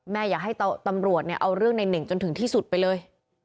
อยากให้ตำรวจเนี่ยเอาเรื่องในเน่งจนถึงที่สุดไปเลย